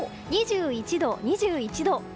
２１度、２１度。